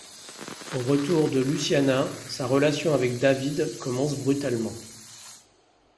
Au retour de Luciana, sa relation avec David commence brutalement.